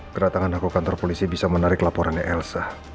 kedatangan aku kantor polisi bisa menarik laporannya elsa